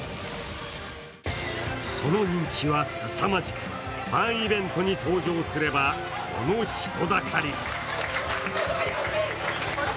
その人気はすさまじく、ファンイベントに登場すればこの人だかり。